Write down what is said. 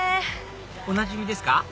おなじみですか？